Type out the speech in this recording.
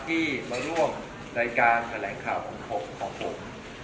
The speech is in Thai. ที่มาร่วมในการแถลงข่าวของผม